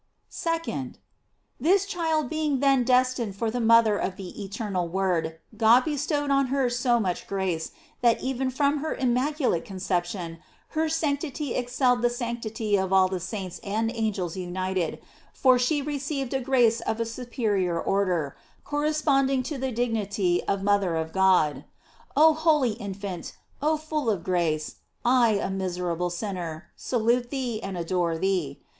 2d. This child being then destined for the mother of the eternal Word, God bestowed on her so much grace, that even from her immacu late conception her sanctity excelled the sanctity of all the saints and angels united, for she receiv ed a grace of a superior order, corresponding to the dignity of mother of God. Oh holy in fant, oh full of grace, I, a miserable sinner, salute thee and adore thee.